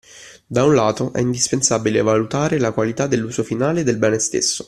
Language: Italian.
Da un lato è indispensabile valutare la qualità dell’uso finale del bene stesso